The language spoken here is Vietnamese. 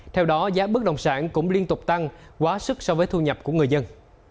theo đó giá bất đồng sản cũng liên tục tăng quá sức so với thu nhập của người dân